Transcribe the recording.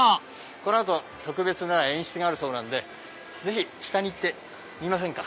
この後特別な演出があるそうなんでぜひ下に行って見ませんか？